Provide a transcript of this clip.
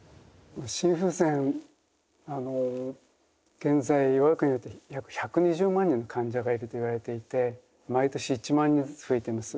心不全あの現在我が国だと約１２０万人の患者がいるといわれていて毎年１万人ずつ増えてます。